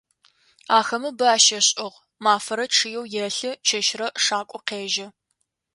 Ахэмэ бы ащешӏышъ, мафэрэ чъыеу елъы, чэщырэ шакӏо къежьэ.